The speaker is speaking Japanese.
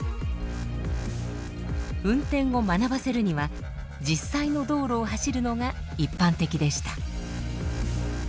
運転を学ばせるには実際の道路を走るのが一般的でした。